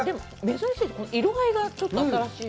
珍しい、色合いがちょっと新しい。